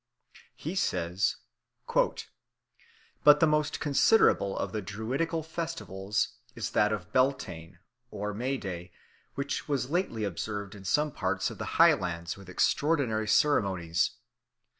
He says: "But the most considerable of the Druidical festivals is that of Beltane, or May day, which was lately observed in some parts of the Highlands with extraordinary ceremonies.